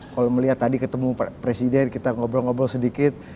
kalau melihat tadi ketemu presiden kita ngobrol ngobrol sedikit